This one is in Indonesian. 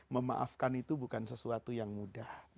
memaafkan itu bukan sesuatu yang mudah